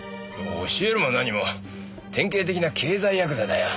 教えるも何も典型的な経済ヤクザだよ。